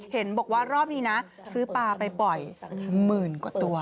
เห็นบอกว่ารอบนี้นะซื้อปลาไปปล่อยหมื่นกว่าตัว